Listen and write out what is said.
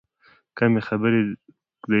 کمې خبرې، د عبرت نښه ده.